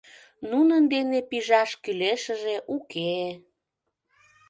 Нунын дене пижаш кӱлешыже уке-е.